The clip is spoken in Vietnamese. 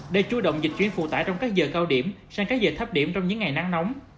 để chú động dịch chuyển phụ tải trong các giờ cao điểm sang các giờ thấp điểm trong những ngày nắng nóng